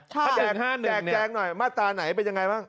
ถ้าแกล้งห้าหนึ่งเนี่ยแกล้งหน่อยมาตราไหนเป็นยังไงบ้าง